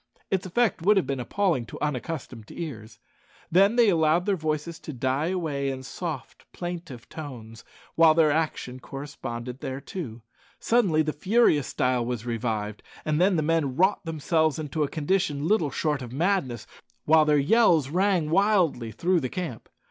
Its effect would have been appalling to unaccustomed ears. Then they allowed their voices to die away in soft, plaintive tones, while their action corresponded thereto. Suddenly the furious style was revived, and the men wrought themselves into a condition little short of madness, while their yells rang wildly through the camp.